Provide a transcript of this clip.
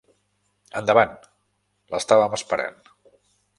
Endavant, l'estàvem esperant.